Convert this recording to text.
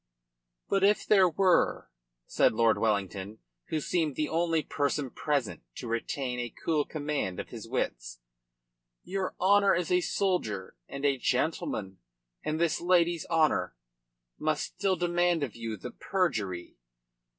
"But if there were," said Lord Wellington, who seemed the only person present to retain a cool command of his wits, "your honour as a soldier and a gentleman and this lady's honour must still demand of you the perjury."